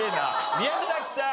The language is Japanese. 宮崎さん。